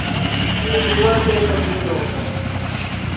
تی گُبا ٹیکہ گِھینوۡ ہِنوۡ؟